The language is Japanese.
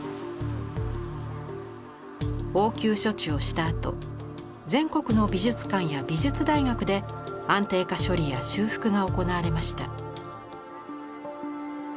応急処置をしたあと全国の美術館や美術大学で安定化処理や修復が行われました。